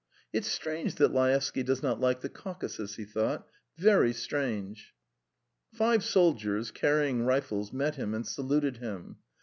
"It's strange that Laevsky does not like the Caucasus," he thought, "very strange." Five soldiers, carrying rifles, met him and saluted him.